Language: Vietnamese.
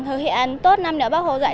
thực hiện tốt năm để bác hồ dạy